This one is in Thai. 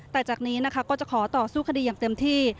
แต่จากนี้นะคะก็จะขอต่อสู้คดีอย่างเต็มที่